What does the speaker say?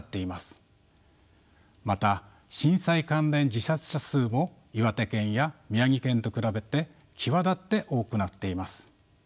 また震災関連自殺者数も岩手県や宮城県と比べて際立って多くなっています。